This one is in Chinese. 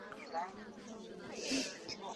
一部分电动列车以此站为起终点。